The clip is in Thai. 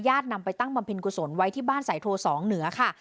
นำไปตั้งบำเพ็ญกุศลไว้ที่บ้านสายโทสองเหนือค่ะ